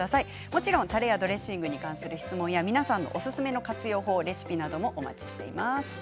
もちろん、たれやドレッシングに関する質問や、皆さんおすすめの活用法やレシピもお待ちしています。